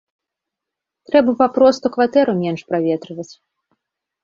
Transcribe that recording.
Трэба папросту кватэру менш праветрываць.